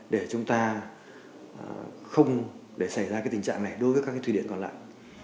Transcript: để chúng ta không để xảy ra tình trạng này đối với các thủy điện còn lại